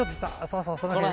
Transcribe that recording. そうそうそう。